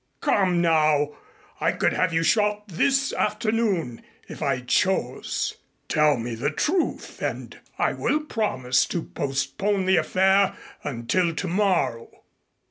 Come now, I could have you shot this afternoon if I chose. Tell me the truth and I will promise to postpone the affair until tomorrow."